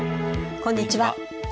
こんにちは。